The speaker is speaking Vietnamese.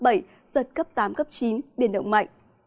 giật cấp tám cấp chín biển động mạnh